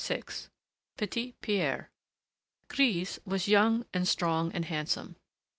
VI PETIT PIERRE Grise was young and strong and handsome.